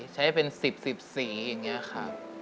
ใช้เป็น๑๐๑๐สีอย่างนี้ครับ